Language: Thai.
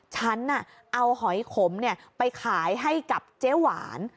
ฉันเอาหอยขมไปขายให้กับเจ๊หวาน